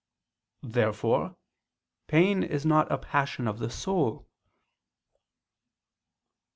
Therefore pain is not a passion of the soul.